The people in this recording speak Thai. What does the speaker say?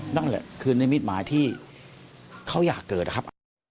นั่นแหละคือนิมิตหมายที่เขาอยากเกิดนะครับ